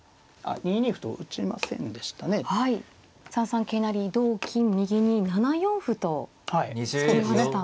３三桂成同金右に７四歩と突きました。